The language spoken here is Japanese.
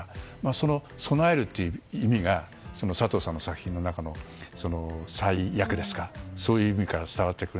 その備えるという意味が佐藤さんの作品の中の「災厄」という意味から伝わってくる。